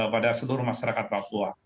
pada seluruh masyarakat papua